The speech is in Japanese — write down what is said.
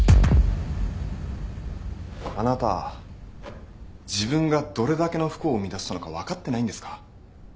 あなた自分がどれだけの不幸を生み出したのか分かってないんですか？